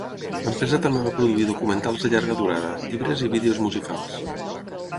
L'empresa també va produir documentals de llarga durada, llibres i vídeos musicals.